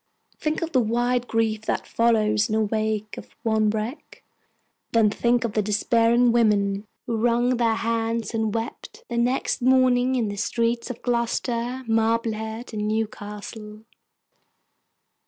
Think of the wide grief that follows in the wake of one wreck; then think of the despairing women who wrung their hands and wept, the next morning, in the streets of Gloucester, Marblehead, and Newcastle!